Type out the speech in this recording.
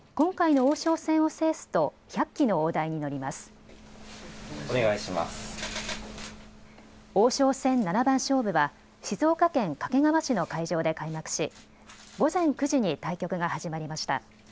王将戦七番勝負は静岡県掛川市の会場で開幕し、午前９時に対局が始まりました。